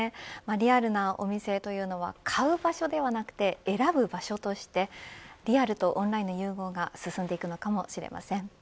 リアルなお店というのは買う場所ではなくて選ぶ場所としてリアルとオンラインの融合が進んでいくのかもしれません。